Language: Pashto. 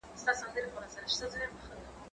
زه به سبا سفر کوم،